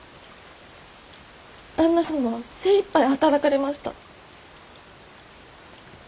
旦那様は精いっぱい働かれました。